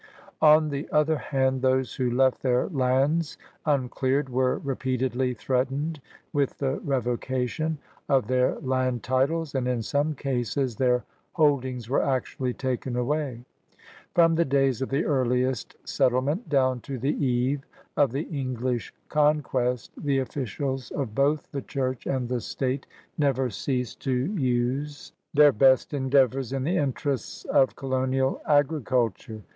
On the other hand those who left their lands imcleared were repeatedly threatened with the revocation of their land titles, and in some cases their hold ings were actually taken away. From the days of the earliest settlement down to the eve of the English conquest, the officials of both the Church and the State never ceased to use ISO AGRICULTURE, INDUSTRY, AND TRADE 181 their best endeavors in the interests of colonial agriculture.